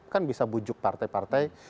kan bisa bujuk partai partai